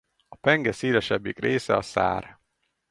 A penge szélesebbik része a szár.